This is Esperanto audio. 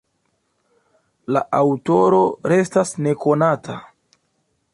La aŭtoro restas nekonata.